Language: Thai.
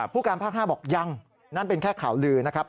ผู้การภาค๕บอกยังนั่นเป็นแค่ข่าวลือนะครับ